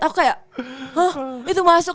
aku kayak huh itu masuk